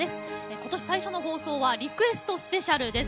今年、最初の放送はリクエストスペシャルです。